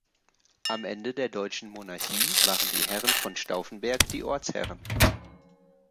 Am Ende der deutschen Monarchie waren die Herren von Stauffenberg die Ortsherren.